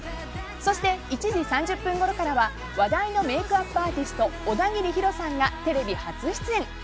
そして１時３０分ごろからは話題のメイクアップアーティスト小田切ヒロさんがテレビ初出演。